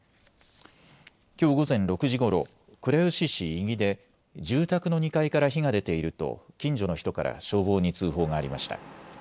きょう午前６時ごろ倉吉市伊木で住宅の２階から火が出ていると近所の人から消防に通報がありました。